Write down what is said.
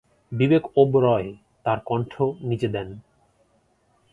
বিবেক ওবেরয় তার কন্ঠ নিজে দেন।